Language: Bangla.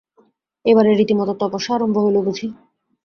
এবারে রীতিমত তপস্যা আরম্ভ হইল বুঝি!